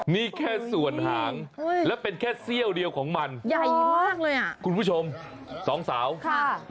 นี่แค่ส่วนหางแล้วเป็นแค่เสี้ยวเดียวของมันใหญ่มากเลยอ่ะคุณผู้ชมสองสาวค่ะ